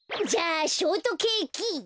じゃあショートケーキ。